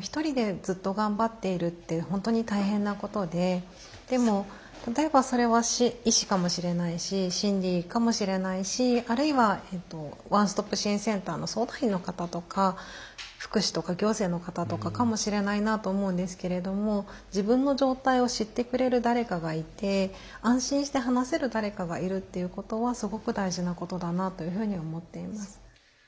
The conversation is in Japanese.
一人でずっと頑張っているって本当に大変なことででも例えばそれは医師かもしれないし心理かもしれないしあるいはワンストップ支援センターの相談員の方とか福祉とか行政の方とかかもしれないなと思うんですけれども自分の状態を知ってくれる誰かがいて安心して話せる誰かがいるということはすごく大事なことだなというふうに思っています。